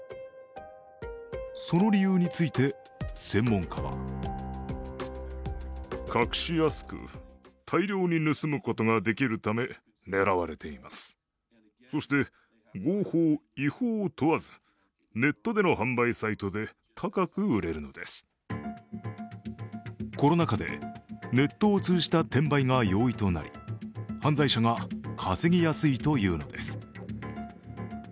その理由について専門家はコロナ禍でネットを通じた転売が容易となり犯罪者が稼ぎやすいというのです。